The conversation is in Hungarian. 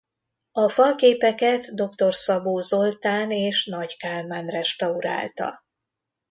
A falképeket dr. Szabó Zoltán és Nagy Kálmán restaurálta.